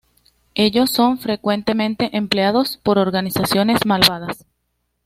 Ellos son frecuentemente empleados por organizaciones malvadas.